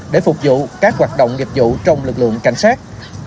để phục vụ các hoạt động nghiệp vụ trong lực lượng cảnh sát